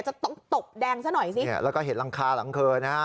จะตกแดงซะหน่อยซิแล้วก็เห็นรังกาหลังเคิร์นนะฮะ